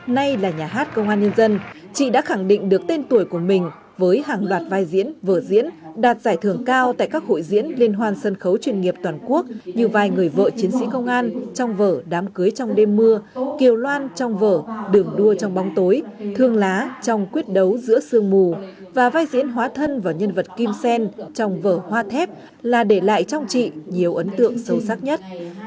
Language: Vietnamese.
này là nhà hát công an nhân dân chị đã khẳng định được tên tuổi của mình với hàng loạt vai diễn vở diễn đạt giải thưởng cao tại các hội diễn liên hoàn sân khấu chuyên nghiệp toàn quốc như vài người vợ chiến sĩ công an trong vở đám cưới trong đêm mưa kiều loan trong vở đường đua trong bóng tối thương lá trong quyết đấu giữa sương mù và vai diễn hóa thân vào nhân vật kim sen trong vở hoa thép là để lại trong chị nhiều ấn tượng sâu sắc nhất